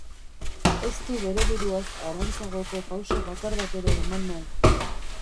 Ez du bere buruaz harantzagoko pauso bakar bat ere eman nahi.